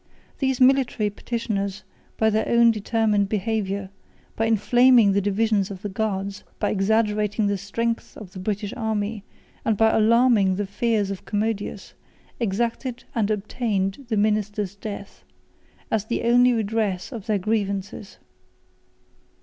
These military petitioners, by their own determined behaviour, by inflaming the divisions of the guards, by exaggerating the strength of the British army, and by alarming the fears of Commodus, exacted and obtained the minister's death, as the only redress of their grievances.